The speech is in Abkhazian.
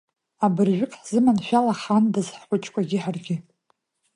Абыржәык ҳзыманшәалахандаз ҳхәыҷқәагьы ҳаргьы!